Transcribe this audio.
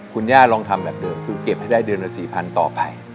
คุณย่าลองทำแบบเดิมคือเก็บให้ได้เดือนละ๔๐๐ต่อไป